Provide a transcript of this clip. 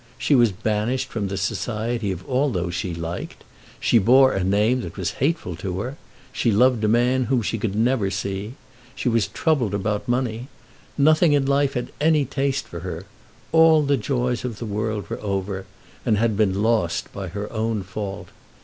She was banished from the society of all those she liked. She bore a name that was hateful to her. She loved a man whom she could never see. She was troubled about money. Nothing in life had any taste for her. All the joys of the world were over, and had been lost by her own fault.